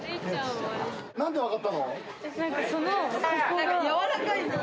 何で分かったの？